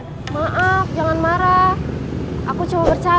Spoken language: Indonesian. residents kalau anda tetap maurendre senang tangi au kata enggak lupa enggak sama sama